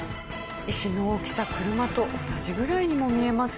石の大きさ車と同じぐらいにも見えますよね。